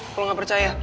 kalo gak percaya